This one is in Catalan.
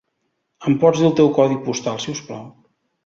Em pots dir el teu codi postal, si us plau?